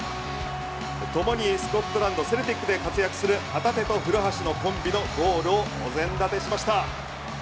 ともにスコットランドセルティックで活躍する旗手と古橋のコンビのゴールをお膳立てしました。